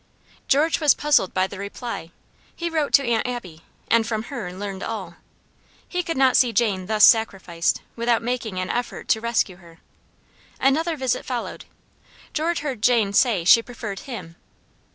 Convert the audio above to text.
George was puzzled by the reply. He wrote to Aunt Abby, and from her learned all. He could not see Jane thus sacrificed, without making an effort to rescue her. Another visit followed. George heard Jane say she preferred HIM.